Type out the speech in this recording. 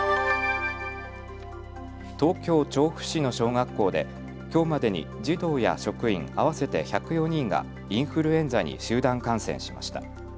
東京調布市の小学校できょうまでに児童や職員合わせて１０４人がインフルエンザに集団感染しました。